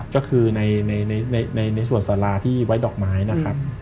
ก็คือในส่วนสาราที่ไว้ดอกไม้นะครับ